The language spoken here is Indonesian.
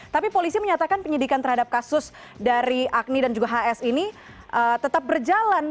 tapi polisi menyatakan penyidikan terhadap kasus dari agni dan juga hs ini tetap berjalan